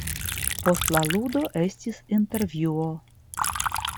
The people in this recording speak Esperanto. Post la ludo estis intervjuo.